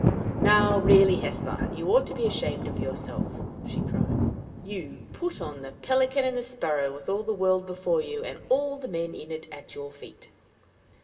"Now really, Hesper, you ought to be ashamed of yourself," she cried. "You to put on the pelican and the sparrow, with all the world before you, and all the men in it at your feet!"